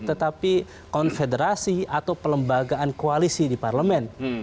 tetapi konfederasi atau pelembagaan koalisi di parlemen